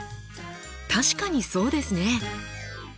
確かにそうですね！